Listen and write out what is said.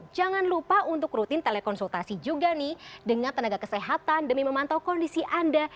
jangan lupa untuk rutin telekonsultasi juga nih dengan tenaga kesehatan demi memantau kondisi anda